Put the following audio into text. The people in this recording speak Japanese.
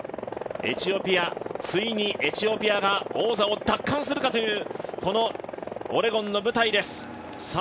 エチオピア、ついにエチオピアが王座を奪還するかというこのオレゴンの舞台です。